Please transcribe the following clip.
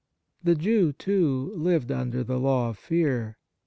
The Jew, too, lived under the law of fear.